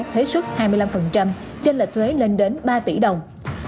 thế suất hai mươi năm trên lệch thuế lên đến ba tỷ đồng